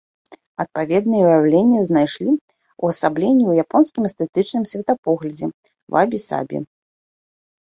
Адпаведныя ўяўленні знайшлі ўвасабленне ў японскім эстэтычным светапоглядзе вабі-сабі.